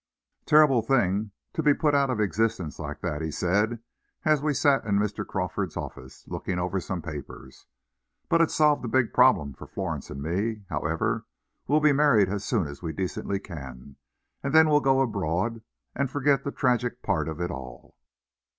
"Terrible thing, to be put out of existence like that," he said, as we sat in Mr. Crawford's office, looking over some papers; "but it solved a big problem for Florence and me. However, we'll be married as soon as we decently can, and then we'll go abroad, and forget the tragic part of it all."